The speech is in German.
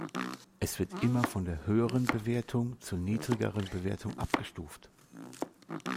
Es wird immer von der höheren Bewertung zur niedrigeren Bewertung abgestuft.